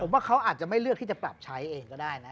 ผมว่าเขาอาจจะไม่เลือกที่จะปรับใช้เองก็ได้นะ